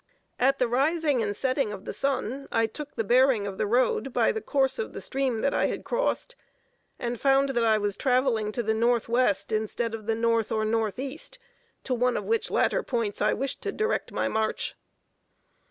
At the rising and setting of the sun, I took the bearing of the road by the course of the stream that I had crossed, and found that I was traveling to the northwest, instead of the north or northeast, to one of which latter points I wished to direct my march.